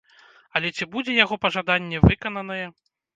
Але ці будзе яго пажаданне выкананае?